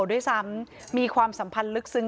ด้วยซ้ำมีความสัมพันธ์ลึกซึ้ง